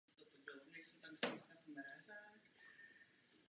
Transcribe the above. Chyběla kvůli tomu na všech velkých soutěžích včetně evropského šampionátu.